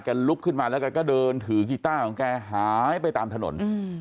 ลุกขึ้นมาแล้วแกก็เดินถือกีต้าของแกหายไปตามถนน